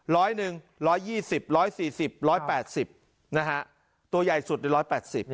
ร้อยหนึ่งร้อยยี่สิบร้อยสี่สิบร้อยแปดสิบนะฮะตัวใหญ่สุดในร้อยแปดสิบ